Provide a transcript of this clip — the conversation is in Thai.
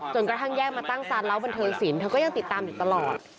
กระทั่งแยกมาตั้งซานเล้าบันเทิงศิลป์เธอก็ยังติดตามอยู่ตลอด